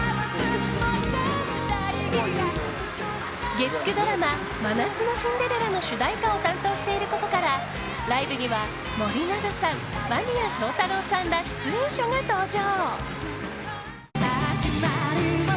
月９ドラマ「真夏のシンデレラ」の主題歌を担当していることからライブには森七菜さん、間宮祥太朗さんら出演者が登場。